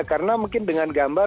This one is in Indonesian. karena mungkin dengan gambar